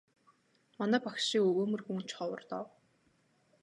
Манай багш шиг өгөөмөр хүн ч ховор доо.